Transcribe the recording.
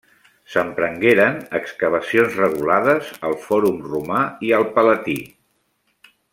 S'emprengueren excavacions regulades al Fòrum Romà i al Palatí.